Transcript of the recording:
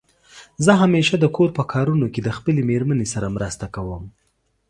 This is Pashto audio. زه همېشه دکور په کارونو کې د خپلې مېرمنې سره مرسته کوم.